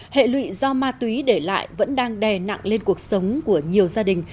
hệ lụy do ma túy để lại vẫn đang đè nặng lên cuộc sống của nhiều gia đình